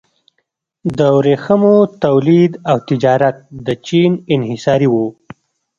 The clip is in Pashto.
د ورېښمو تولید او تجارت د چین انحصاري و.